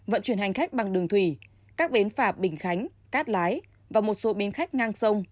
vận chuyển hành khách bằng đường thủy các bến phà bình khánh cát lái và một số bến khách ngang sông